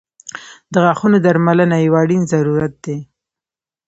• د غاښونو درملنه یو اړین ضرورت دی.